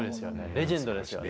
レジェンドです。